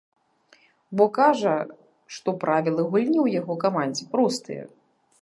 Бо кажа, што правілы гульні ў яго камандзе простыя.